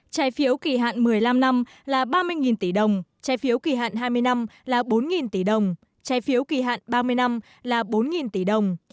trái phiếu kỳ hạn một mươi năm năm là ba mươi tỷ đồng trái phiếu kỳ hạn hai mươi năm là bốn tỷ đồng trái phiếu kỳ hạn ba mươi năm là bốn tỷ đồng